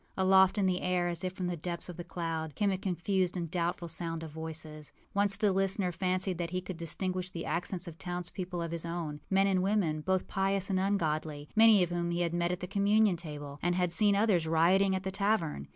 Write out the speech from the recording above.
Aloft in the air, as if from the depths of the cloud, came a confused and doubtful sound of voices. Once the listener fancied that he could distinguish the accents of towns people of his own, men and women, both pious and ungodly, many of whom he had met at the communion table, and had seen others rioting at the tavern.